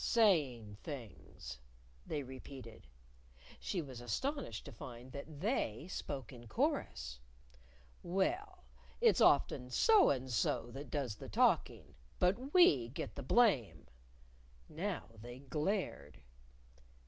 "Saying things," They repeated. (She was astonished to find that They spoke in chorus!) "Well, it's often So and So that does the talking, but we get the blame." Now They glared.